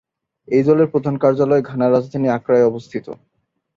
এই দলের প্রধান কার্যালয় ঘানার রাজধানী আক্রায় অবস্থিত।